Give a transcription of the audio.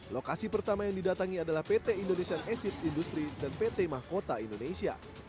lokasi pertama yang didatangi adalah pt indonesian acid industry dan pt mahkota indonesia